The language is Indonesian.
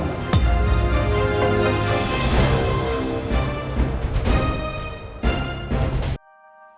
masih akan terus